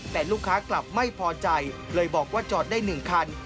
แต่ลูกค้ากลับไม่พอใจเลยบอกว่าจอดได้๑คัน